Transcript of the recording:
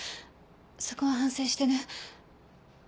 そこは反省してる。